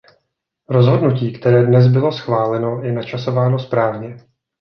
Rozhodnutí, které dnes bylo schváleno, je načasováno správně.